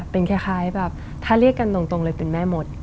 เป็นคล้ายแบบถ้าเรียกกันตรงเลยเป็นแม่มด